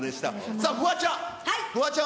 さあ、フワちゃん。